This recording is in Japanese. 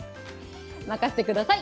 任せてください。